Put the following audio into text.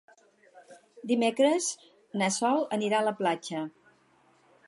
Dimecres na Sol anirà a la platja.